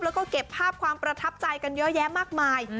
แล้วก็เก็บภาพความประทับใจกันเยอะแยะมากมาย